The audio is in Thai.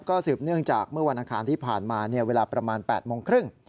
ก็สืบเนื่องจากเมื่อวันอังคารที่ผ่านมาเวลาประมาณ๘โมงครึ่ง